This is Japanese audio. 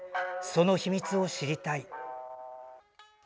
その秘密を知りたい。